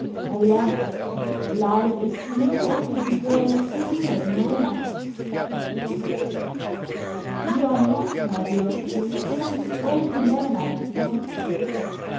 Alas! life is sweet only to those who do not know life. "You are not, my dear Octave, the only man I have loved.